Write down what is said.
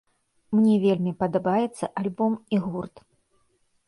Мне вельмі падабаецца альбом і гурт.